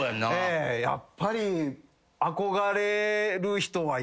やっぱり。